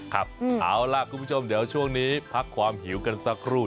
ครับเอาล่ะคุณผู้ชมเดี๋ยวช่วงนี้พักความหิวกันสักครู่